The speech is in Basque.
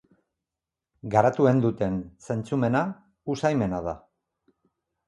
Garatuen duten zentzumena usaimena da.